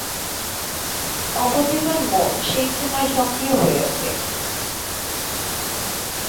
অবচেতন মন সেই সময় সক্রিয় হয়ে ওঠে।